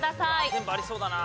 全部ありそうだな。